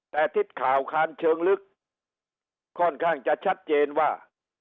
แต่ทิศข่าวคานเชิงลึกค่อนข้างจะชัดเจนว่า